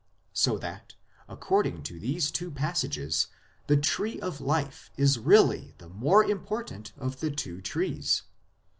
So that, according to these two passages the Tree of Life is really the more important of the two trees.